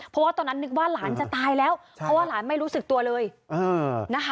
เพราะว่าตอนนั้นนึกว่าหลานจะตายแล้วเพราะว่าหลานไม่รู้สึกตัวเลยนะคะ